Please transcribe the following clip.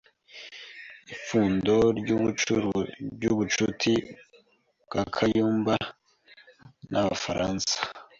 ipfundo ry’ubucuti bwa Kayumba n’Abafaransa